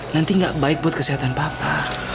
nanti gak baik buat kesehatan papa